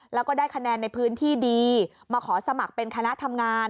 แล้วก็ได้คะแนนในพื้นที่ดีมาขอสมัครเป็นคณะทำงาน